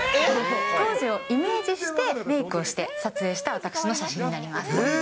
当時をイメージしてメークをして、撮影した私の写真になります。